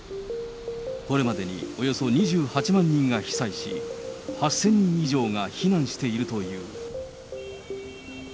これまでにおよそ２８万人が被災し、８０００人以上が避難しているという。